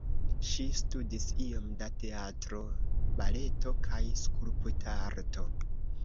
Ŝi studis iom da teatro, baleto kaj skulptarto.